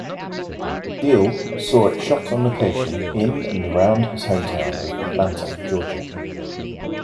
Diehl saw it shot on location in and around his hometown of Atlanta, Georgia.